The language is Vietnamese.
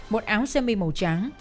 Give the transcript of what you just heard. một áo xơ mi màu trắng